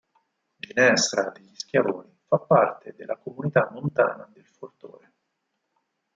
Ginestra degli Schiavoni fa parte della Comunità montana del Fortore.